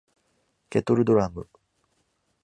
ケトルドラム